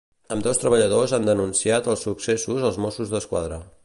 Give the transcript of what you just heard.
Ambdós treballadors han denunciat els successos als Mossos d'Esquadra.